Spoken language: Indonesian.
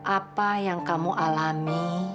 apa yang kamu alami